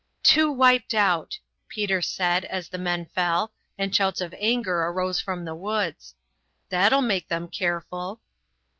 "Two wiped out!" Peter said, as the men fell, and shouts of anger arose from the woods. "That'll make them careful."